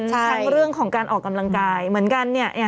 ทั้งเรื่องของการออกกำลังกายเหมือนกัน